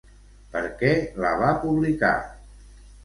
Per què la va publicar?